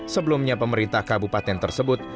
sebelumnya pemerintah kabupaten tersebut